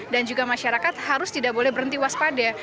dan juga masyarakat harus tidak boleh berhenti waspada